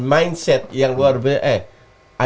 mindset yang luar biasa